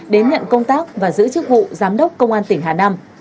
đến nhận công tác và giữ chức vụ giám đốc công an tỉnh hà nam